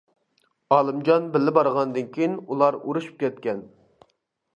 ئالىمجان بىللە بارغاندىن كېيىن ئۇلار ئۇرۇشۇپ كەتكەن.